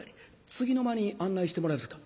次の間に案内してもらえますか」。